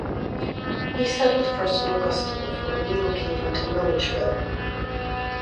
He settled first in Augusta before relocating to Milledgeville.